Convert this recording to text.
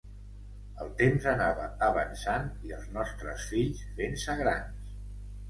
El temps anava avançant i els nostres fills fent-se grans.